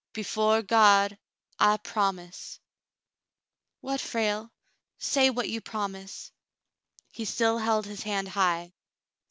"Before God, I promise —" "What, Frale? Say what you promise." He still held his hand high.